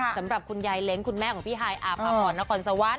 สำหรับคุณยายเล้งคุณแม่ของพี่ฮายอาภาพรนครสวรรค